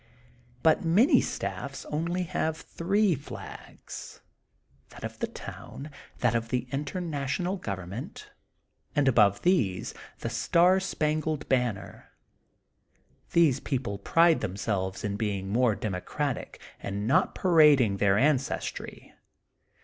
But many staffs have only three flags, that of the town, that of the International Govern ment, and above these, the Star Spangled Banner. These people pride then^selves in being more democratic, and not parading their ancestry.